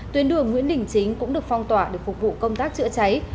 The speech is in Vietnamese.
tuyến đường nguyễn đình chính cũng được phong tỏa để phục vụ công tác chữa cháy